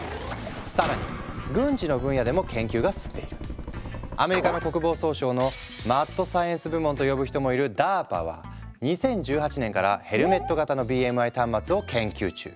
更にアメリカ国防総省のマッドサイエンス部門と呼ぶ人もいるＤＡＲＰＡは２０１８年からヘルメット型のＢＭＩ端末を研究中。